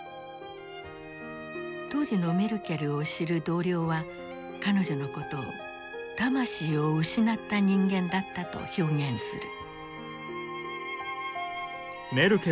当時のメルケルを知る同僚は彼女のことを「魂を失った人間」だったと表現する。